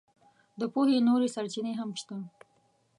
د پوهې نورې سرچینې هم شته.